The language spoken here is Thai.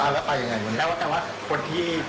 ตามแล้วไปยังไงวันนี้